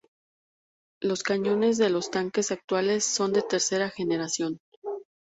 Los cañones de los tanques actuales son de tercera generación.